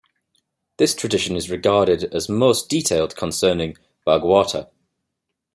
This tradition is regarded as most detailed concerning Barghwata.